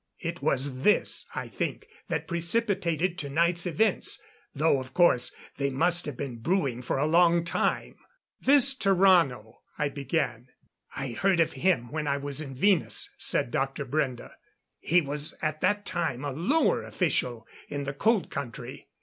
It was this, I think, that precipitated tonight's events though of course they must have been brewing for a long time." "This Tarrano " I began. "I heard of him when I was in Venus," said Dr. Brende. "He was at that time a lower official in the Cold Country.